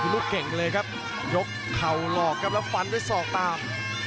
ลูกเก่งเลยครับยกเข่าหลอกครับแล้วฟันด้วยศอกตาม